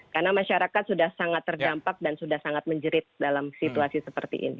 karena masyarakat sudah sangat terdampak dan sudah sangat menjerit dalam situasi seperti ini